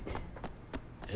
え？